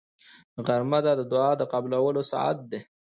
غرمه د دعا د قبولو ساعت دی